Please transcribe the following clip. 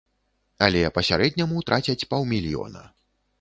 Але па сярэдняму трацяць паўмільёна.